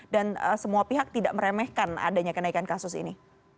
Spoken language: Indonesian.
dan semua pihak tidak meremehkan adanya kenaikan kasus ini